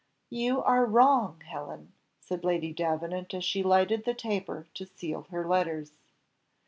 "You are wrong, Helen," said Lady Davenant, as she lighted the taper to seal her letters.